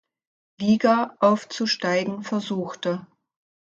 Liga aufzusteigen versuchte.